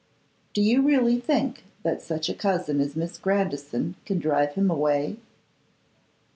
'Do you really think that such a cousin as Miss Grandison can drive him away?